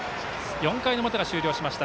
４回の表が終了しました。